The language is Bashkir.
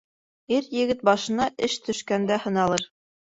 Ир-егет башына эш төшкәндә һыналыр.